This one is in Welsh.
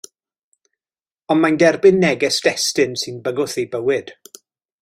Ond mae'n derbyn neges destun sy'n bygwth ei bywyd.